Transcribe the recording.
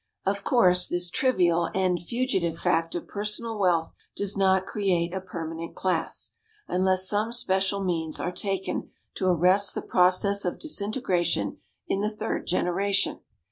Of course, this trivial and, fugitive fact of personal wealth does not create a permanent class, unless some special means are taken to arrest the process of disintegration in the third generation.